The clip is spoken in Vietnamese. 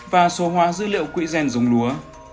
và số hóa dữ liệu quỹ gen dùng lúa